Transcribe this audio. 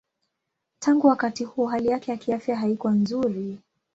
Tangu wakati huo hali yake ya kiafya haikuwa nzuri.